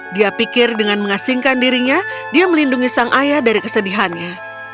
dia pikir dengan mengasingkan dirinya dia melindungi sang ayah dari kesedihannya